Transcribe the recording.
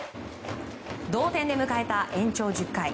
同点で迎えた延長１０回。